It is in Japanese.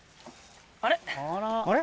あれ？